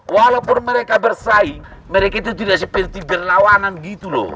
walaupun mereka bersaing mereka itu tidak seperti berlawanan gitu loh